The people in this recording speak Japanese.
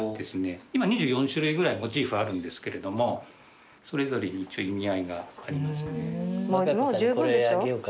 今２４種類ぐらいモチーフあるんですけれどもそれぞれに意味合いがありますね。